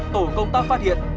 tổ công tác phát hiện